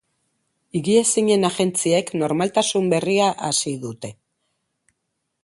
Higiezinen agentziek normaltasun berria hasi dute.